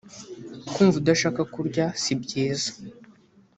kumva udashaka kurya sibyiza